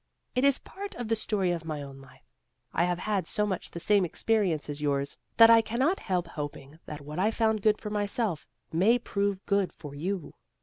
It is part of the story of my own life. I have had so much the same experience as yours that I cannot help hoping that what I found good for myself, may prove good for you."